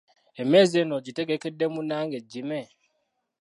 Emmeeza eno ogitegekedde munnange Jimmy?